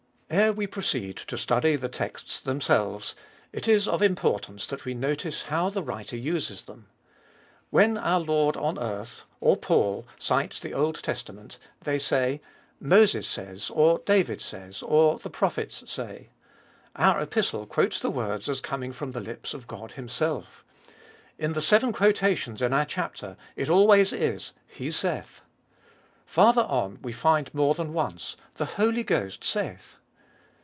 Ere we proceed to study the texts themselves, it is of importance that we notice how the writer uses them. When our Lord on earth, or Paul, cites the Old Testament, they say : Moses says, or David says, or the prophets say. Our Epistle mostly quotes the words as coming from the lips of God Himself. In the seven quotations in our chapter it always is, " He saith." Farther on we find more than once, " The Holy Ghost saith."